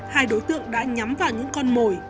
hai đối tượng đã nhắm vào những con mồi